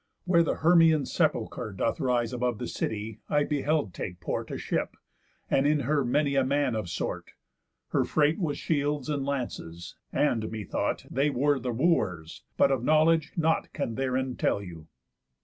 Where the Hermæan sepulchre doth rise Above the city, I beheld take port A ship, and in her many a man of sort; Her freight was shields and lances; and, methought, They were the Wooers; but, of knowledge, nought Can therein tell you."